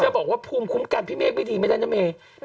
จะบอกถึงว่าภูมิคุ้มกันพี่เมกวิธีไม่ได้นะเม